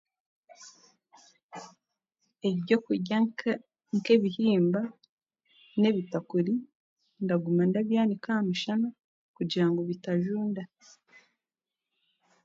Ebyokurya nk'ebihimba n'ebitakuri ndaguma ndabyanika aha mushana kugira bitajunda